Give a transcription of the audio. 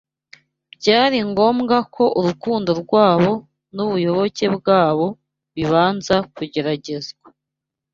byari ngombwa ko urukundo rwabo n’ubuyoboke bwabo bibanza kugeragezwa.